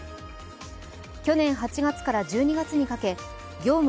去年８月から１２月にかけ業務